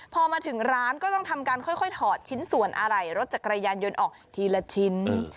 พอมาถึงร้านก็ต้องทำการค่อยถอดชิ้นส่วนอะไหล่รถจักรยานยนต์ออกทีละชิ้น